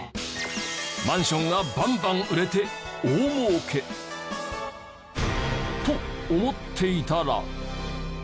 マンションがバンバン売れて大儲け！と思っていたら。